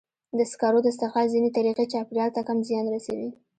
د سکرو د استخراج ځینې طریقې چاپېریال ته کم زیان رسوي.